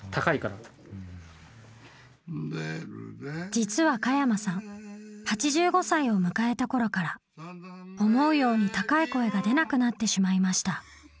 実は加山さん８５歳を迎えたころから思うように高い声が出なくなってしまいました。